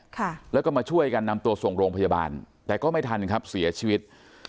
ค่ะแล้วก็มาช่วยกันนำตัวส่งโรงพยาบาลแต่ก็ไม่ทันครับเสียชีวิต